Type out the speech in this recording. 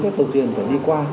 các trang thiết bị